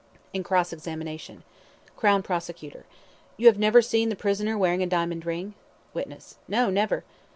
In cross examination: CROWN PROSECUTOR: You have never seen the prisoner wearing a diamond ring? WITNESS: No, never.